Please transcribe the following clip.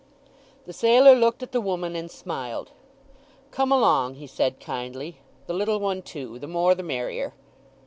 The sailor looked at the woman and smiled. "Come along!" he said kindly. "The little one too—the more the merrier!"